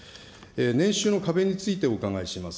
年収の壁についてお伺いします。